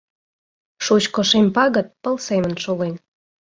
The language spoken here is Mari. Шучко шем пагыт пыл семын шулен.